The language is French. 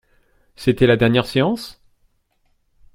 C'était la dernière séance?